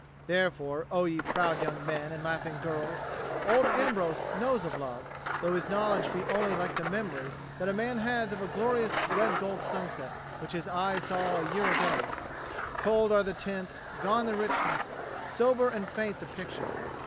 Therefore, O ye proud young men and laughing girls, old Ambrose knows of love, though his knowledge be only like the memory that a man has of a glorious red gold sunset which his eyes saw a year ago: cold are the tints, gone the richness, sober and faint the picture.